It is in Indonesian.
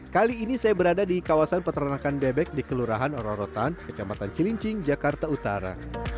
kali ini saya berada di kawasan peternakan bebek di kelurahan rorotan kecamatan cilincing jakarta utara